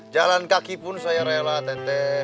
jalan kaki pun saya rela teteh